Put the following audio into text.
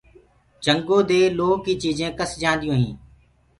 جنگو دي لوه ڪي چيجينٚ ڪس جآنيونٚ هينٚ۔